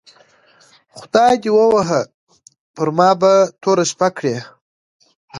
خدای دي ووهه پر ما به توره شپه کړې